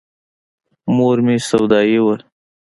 مور مې سودايي وه.